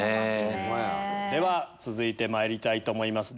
続いてまいりたいと思います